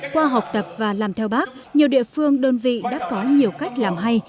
qua học tập và làm theo bác nhiều địa phương đơn vị đã có nhiều cách làm hay